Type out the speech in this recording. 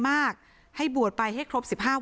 ไม่อยากให้มองแบบนั้นจบดราม่าสักทีได้ไหม